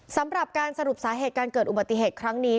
สำหรับการสรุปสาเหตุการเกิดอุบัติเหตุครั้งนี้